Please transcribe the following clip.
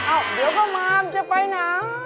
เอ้าเดี๋ยวก็มามันจะไปนะ